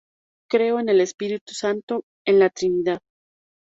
Creo en el Espíritu Santo, en la Trinidad.